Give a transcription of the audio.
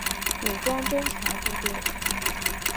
武装侦察部队。